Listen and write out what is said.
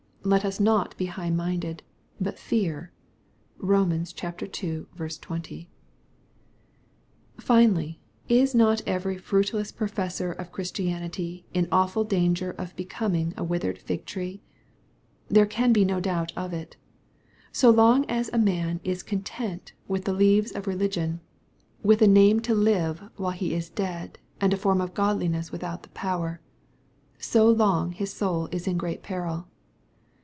Let us not be high minded, but fear (Bom. ii. 20.) ■ Finally, is not every fruitless professor of Christianity in awful danger of becoming a withered fig tree ? There can be no doubt of it. . So long as a man is content with J MATTHEW, CHAP. XXI. 271 Vbe leaves rf religion — ^with a name to live while he is dead, and a fonn of godliness without the power— so long his soul is in great peril.